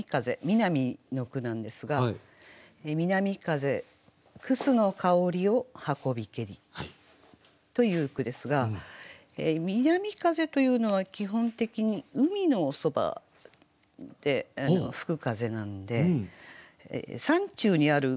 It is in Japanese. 南の句なんですが「南風楠の香りを運びけり」という句ですが南風というのは基本的に海のそばで吹く風なんで山中にある楠とはちょっと合わないんですね。